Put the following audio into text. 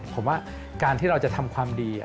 ผมว่าการที่เราจะทำความดี